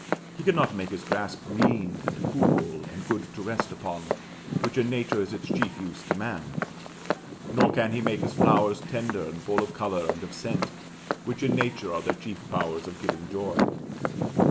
He cannot make his grass green and cool and good to rest upon, which in nature is its chief use to man; nor can he make his flowers tender and full of color and of scent, which in nature are their chief powers of giving joy.